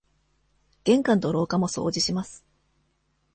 玄関と廊下も掃除します。